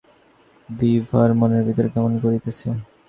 বিভার মনের ভিতরে কেমন করিতেছে!